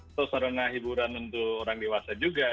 atau sarana hiburan untuk orang dewasa juga